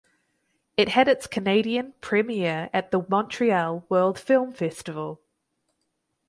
It had its Canadian premiere at the Montreal World Film Festival.